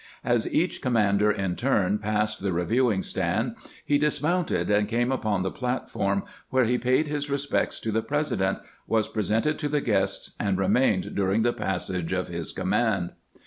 As each com mander in turn passed the reviewing stand, he dis mounted and came upon the platform, where he paid his respects to the President, was presented to the guests, and remained during the passage of his command.